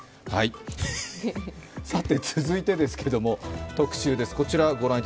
続いてですけれども特集です。